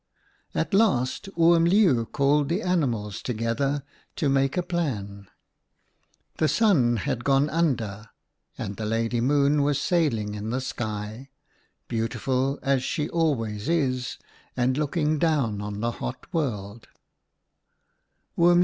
" At last Oom Leeuw called the animals together to make a plan. " The Sun had gone under, and the Lady THE ANIMALS' DAM 89 Moon was sailing in the sky — beautiful, as she always is, and looking down on the hot world.